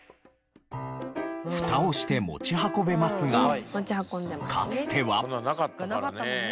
蓋をして持ち運べますがかつては。瓶か。